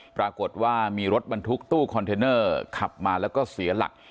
ปรากฏว่ามีรถบรรทุกตู้คอนเทนเนอร์ขับมาแล้วก็เสียหลัก